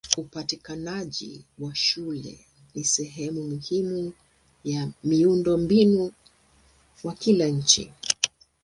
Upatikanaji wa shule ni sehemu muhimu ya miundombinu wa kila nchi.